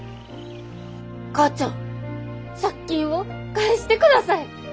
「母ちゃん、しゃっ金を返してください。